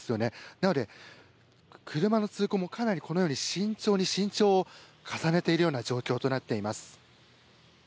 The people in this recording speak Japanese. なので、車の通行もかなりこのように慎重に慎重を重ねているような状況となっています。